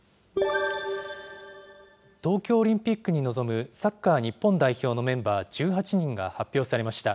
東京オリンピックに臨むサッカー日本代表のメンバー１８人が発表されました。